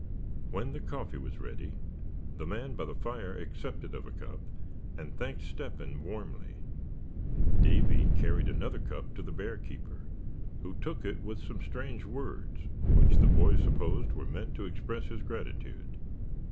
When the coffee was ready, the man by the fire accepted of a cup, and thanked Step hen warmly. Davy carried another cup to the bear keeper, who took it with some strange words, which the boy supposed were meant to express his gratitude.